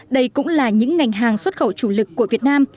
đây cũng là những ngành hàng xuất khẩu chủ lực của việt nam